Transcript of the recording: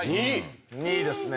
２ですね。